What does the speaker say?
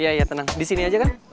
iya iya tenang disini aja kan